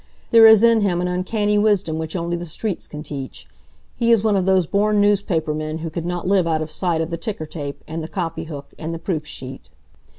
There is in him an uncanny wisdom which only the streets can teach. He is one of those born newspaper men who could not live out of sight of the ticker tape, and the copy hook and the proof sheet.